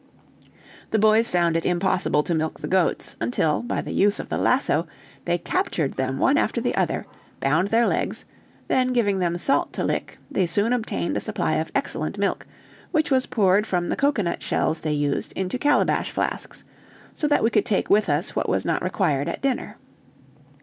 The boys found it impossible to milk the goats, until, by the use of the lasso, they captured them one after the other, bound their legs, then giving them salt to lick, they soon obtained a supply of excellent milk, which was poured from the cocoanut shells they used into calabash flasks, so that we could take with us what was not required at dinner.